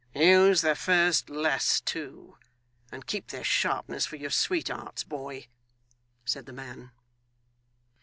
'Use the first less too, and keep their sharpness for your sweethearts, boy,' said the man.